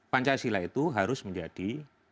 pancasila itu harus menjadi